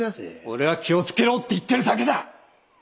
俺は気を付けろって言ってるだけだ！